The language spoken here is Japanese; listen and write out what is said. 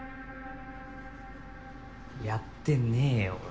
やってねえよ俺は。